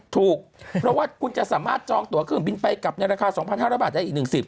ถูกเพราะว่าคุณจะสามารถจองตัวเครื่องบินไปกลับในราคา๒๕๐๐บาทได้อีก๑๐